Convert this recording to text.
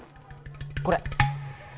これ。